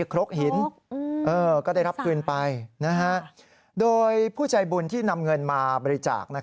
ครกหินสานะครับโดยผู้ใจบุญที่นำเงินมาบริจาค